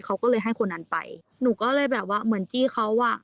เขาก็เลยให้คนนั้นไปหนูก็เลยแบบว่าเหมือนจี้เขาอ่ะ